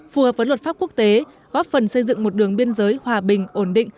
phù hợp với luật pháp quốc tế góp phần xây dựng một đường biên giới hòa bình ổn định